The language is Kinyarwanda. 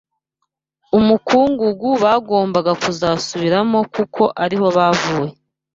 umukungugu bagombaga kuzasubiramo kuko ari ho bavuye